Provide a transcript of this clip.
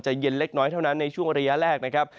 เย็นเล็กน้อยเท่านั้นในช่วงระยะแรกนะครับ